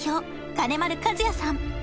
金丸賀也さん